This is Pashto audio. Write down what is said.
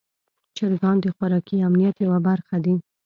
چرګان د خوراکي امنیت یوه برخه دي.